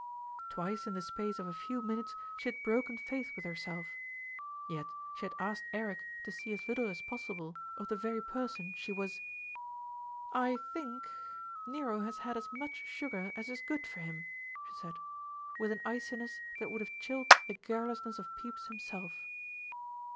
Twice in the space of a few minutes she had broken faith with herself; yet she had asked Eric to see as little as possible of the very person she was "I think Nero has had as much sugar as is good for him," she said, with an iciness that would have chilled the garrulousness of Pepys himself.